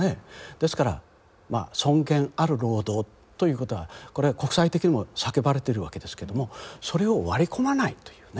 ですから尊厳ある労働ということはこれ国際的にも叫ばれてるわけですけどもそれを割り込まないというね。